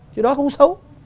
chứ đó không xấu